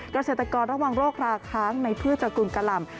เกษตรกรระวังโรคราค้างในพืชตระกุลกะหล่ำ